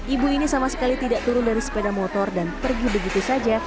ibu ini sama sekali tidak turun dari sepeda motor dan pergi begitu saja